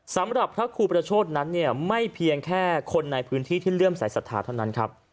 สำหรับพระครูประโชธนั้นเนี่ยไม่เพียงแค่คนในพื้นที่ที่เลื่อมสายศรัทธาเท่านั้นครับ